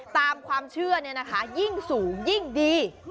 ตามความเชื่อเนี่ยนะคะยิ่งสูงยิ่งดี